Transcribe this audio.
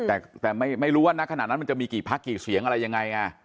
แต่ไม่รู้ว่านักขณะนั้นมันจะมีกี่พักกี่เสียงอะไรยังไง